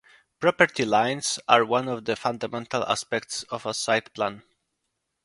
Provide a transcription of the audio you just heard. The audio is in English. Property lines are one of the fundamental aspects of a site plan.